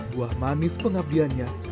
buah manis pengabdiannya